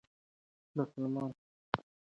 د سلما بند د برېښنا سرچینه ده.